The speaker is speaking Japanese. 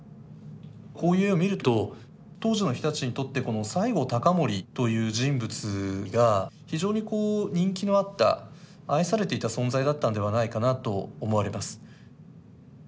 こういう絵を見ると当時の人たちにとってこの西郷隆盛という人物が非常にこう人気のあった愛されていた存在だったんではないかなと思われます。